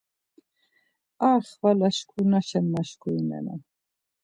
Arxvala şkurnaşen maşkurinenan.